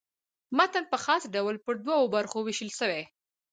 متن په خاص ډول پر دوو برخو وېشل سوی.